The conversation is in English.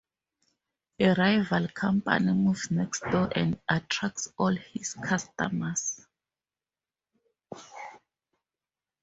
A rival company moves next door and attracts all his customers.